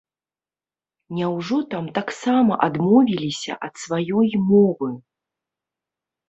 Няўжо там таксама адмовіліся ад сваёй мовы?